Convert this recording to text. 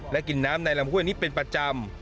และกินน้ำในลำห้วยนี้เป็นประจำ